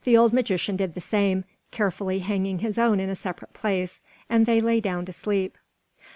The old magician did the same, carefully hanging his own in a separate place, and they lay down to sleep.